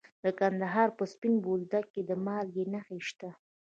د کندهار په سپین بولدک کې د مالګې نښې شته.